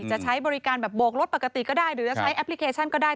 ใช้บริการแบบโบกรถปกติก็ได้หรือจะใช้แอปพลิเคชันก็ได้